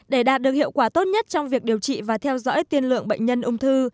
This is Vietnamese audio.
để đạt được hiệu quả tốt nhất trong việc điều trị và theo dõi tiên lượng bệnh nhân ung thư